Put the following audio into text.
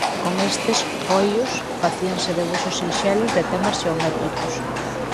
Con estes coios facíanse debuxos sinxelos de temas xeométricos.